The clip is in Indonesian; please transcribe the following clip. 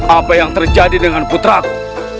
apa yang terjadi dengan putraku